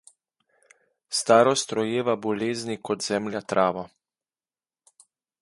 Starost rojeva bolezni kot zemlja travo.